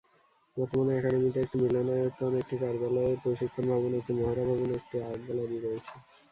বর্তমানে একাডেমিতে একটি মিলনায়তন, একটি কার্যালয় ও প্রশিক্ষণ ভবন, একটি মহড়া ভবন এবং একটি আর্ট গ্যালারি রয়েছে।